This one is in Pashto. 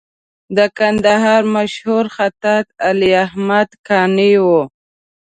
د کندهار مشهور خطاط علي احمد قانع و.